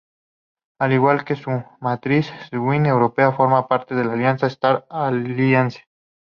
Al igual que su matriz, Swiss European forma parte de la alianza Star Alliance.